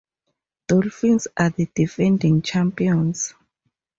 Dolphins are the defending champions.